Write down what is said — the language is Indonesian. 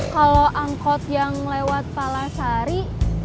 kalau angkot yang lewat palasari